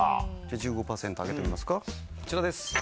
１５％開けてみますかこちらです。